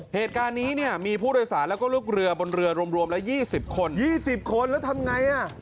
เหตุการณ์นี้เนี่ยมีผู้โดยสารแล้วก็ลูกเรือบนเรือรวมละ๒๐คน๒๐คนแล้วทำไงอ่ะ